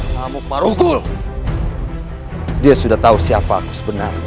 kamu paruh kuluh dia sudah tahu siapa aku sebenarnya